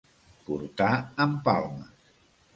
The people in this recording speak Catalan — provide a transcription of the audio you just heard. Portar en palmes.